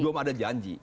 belum ada janji